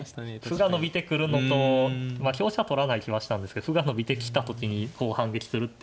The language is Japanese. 歩が伸びてくるのとまあ香車取らない気はしたんですけど歩が伸びてきた時にこう反撃するっていうのは。